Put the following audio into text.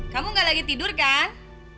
kamu gak lagi tidur kan